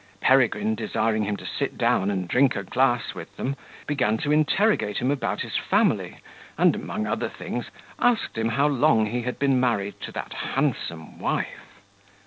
Peregrine, desiring him to sit down and drink a glass with them, began to interrogate him about his family, and, among other things, asked him how long he had been married to that handsome wife.